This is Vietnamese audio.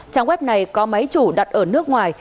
trang web này có máy chủ đặt ở nước ngoài